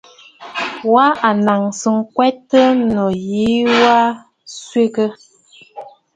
Wa a naŋsə nswegə nû yì aa swègə̀.